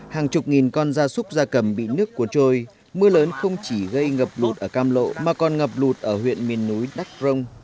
hàng chục nghìn con da súc da cầm bị nước cuốn trôi mưa lớn không chỉ gây ngập lụt ở cam lộ mà còn ngập lụt ở huyện miền núi đắc rông